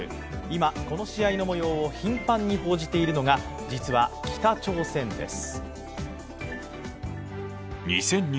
今、この試合のもようを頻繁に報じているのが、実は北朝鮮です。